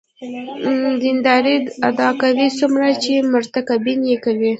دیندارۍ ادعا کوي څومره چې مرتکبین یې کوي.